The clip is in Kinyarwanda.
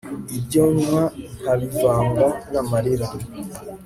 ibyo nywa nkabivanga n'amarira